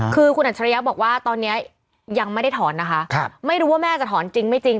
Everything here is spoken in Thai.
คือคุณอัจฉริยะบอกว่าตอนนี้ยังไม่ได้ถอนนะคะไม่รู้ว่าแม่จะถอนจริงไม่จริง